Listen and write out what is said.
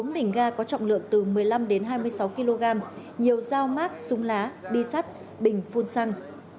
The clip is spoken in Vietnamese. bốn bình ga có trọng lượng từ một mươi năm đến hai mươi sáu kg nhiều dao mát súng lá bi sắt bình phun xăng